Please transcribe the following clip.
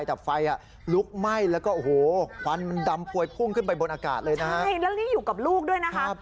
บนอากาศเลยนะใช่แล้วนี่อยู่กับลูกด้วยนะครับ